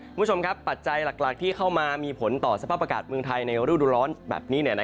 คุณผู้ชมครับปัจจัยหลักที่เข้ามามีผลต่อสภาพอากาศเมืองไทยในรูดูร้อนแบบนี้